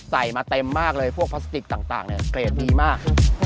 มาเต็มมากเลยพวกพลาสติกต่างเนี่ยเกรดดีมาก